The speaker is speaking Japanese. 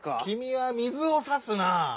きみは水をさすなぁ。